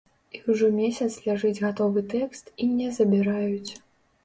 І ўжо месяц ляжыць гатовы тэкст, і не забіраюць.